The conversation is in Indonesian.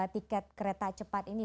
tiket kereta cepat ini